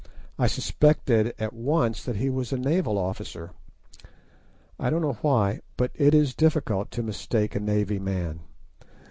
I suspected at once that he was a naval officer; I don't know why, but it is difficult to mistake a navy man.